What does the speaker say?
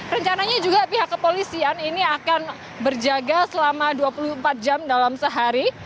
rencananya juga pihak kepolisian ini akan berjaga selama dua puluh empat jam dalam sehari